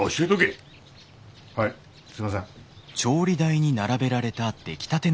はいすいません。